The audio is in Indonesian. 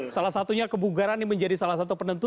salah satunya kebugaran yang menjadi salah satu penentu